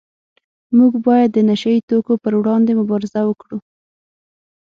موږ باید د نشه یي توکو پروړاندې مبارزه وکړو